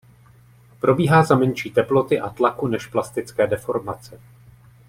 Probíhá za menší teploty a tlaku než plastické deformace.